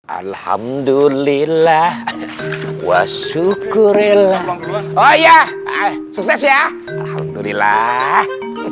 alhamdulillah wasukurelah oh ya sukses ya alhamdulillah